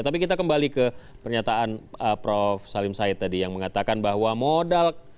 tapi kita kembali ke pernyataan prof salim said tadi yang mengatakan bahwa modal